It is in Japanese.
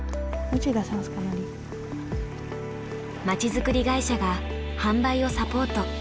まちづくり会社が販売をサポート。